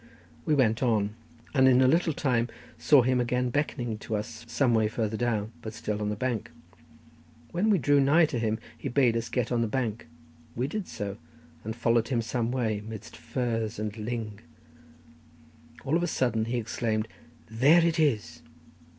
We went on, and in a little time saw him again beckoning to us some way farther down, but still on the bank. When we drew nigh to him, he bade us get on the bank; we did so, and followed him some way amidst furze and lyng. All of a sudden he exclaimed, "There it is!"